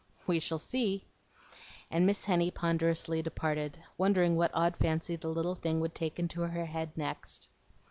"We shall see;" and Miss Henny ponderously departed, wondering what odd fancy the little thing would take into her head next.